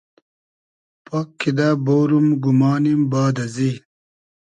پاک کیدہ بۉروم گومانیم باد ازی